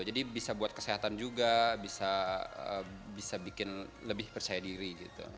jadi bisa buat kesehatan juga bisa bikin lebih percaya diri gitu